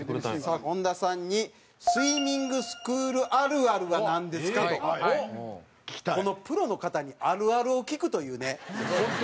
さあ本多さんに「スイミングスクールあるあるはなんですか？」と。このプロの方にあるあるを聞くというね。